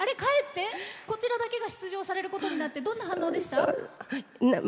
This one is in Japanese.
出場されることになってどんな反応でした？